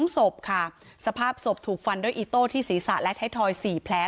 ๒ศพค่ะสภาพศพถูกฟันด้วยอิโต้ที่ศีรษะและไทยทอย๔แผล